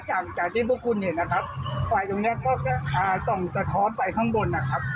จากจากที่พวกคุณเห็นนะครับไฟตรงเนี้ยก็แค่อ่าส่องสะท้อนไปข้างบนนะครับ